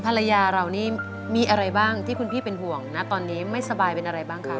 ภรรยาเรานี่มีอะไรบ้างที่คุณพี่เป็นห่วงนะตอนนี้ไม่สบายเป็นอะไรบ้างคะ